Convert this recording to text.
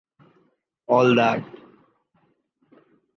All that.